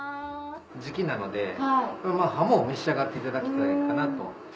時季なので鱧を召し上がっていただきたいかなと。